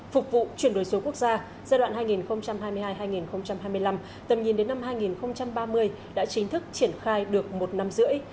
phục vụ chuyển đổi số quốc gia giai đoạn hai nghìn hai mươi hai hai nghìn hai mươi năm tầm nhìn đến năm hai nghìn ba mươi đã chính thức triển khai được một năm rưỡi